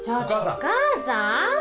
お母さん。